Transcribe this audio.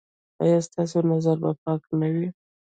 ایا ستاسو نظر به پاک نه وي؟